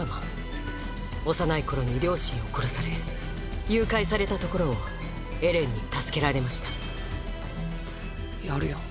幼い頃に両親を殺され誘拐されたところをエレンに助けられましたやるよ